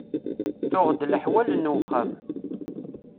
Tuɣ-d leḥwal n wexxam.